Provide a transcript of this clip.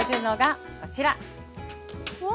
うわ。